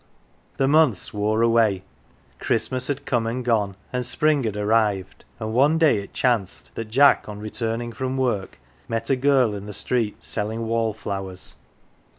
The months wore away ; Christmas had come and gone, and spring had arrived, and one day it chanced that Jack on returning from work met a girl in the street selling wallflowers.